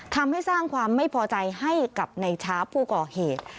ทำให้สร้างความไม่พอใจให้กับในช้าผู้ก่อเหตุ